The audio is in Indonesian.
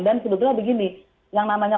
dan sebetulnya begini yang namanya